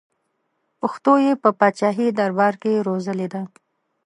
پښتو یې په پاچاهي دربار کې روزلې ده.